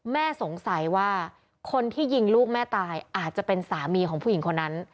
แม่สงสัยว่าคนที่ยิงลูกแม่ตายอาจจะเป็นสามีของผู้หญิงคนนั้น